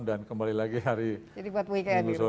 dan kembali lagi hari minggu sore